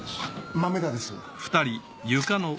豆田です。